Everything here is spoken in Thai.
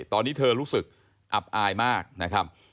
ตอนนี้เธอรู้สึกอับอายมากนะครับ